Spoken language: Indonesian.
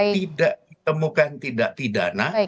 tidak ditemukan tindak pidana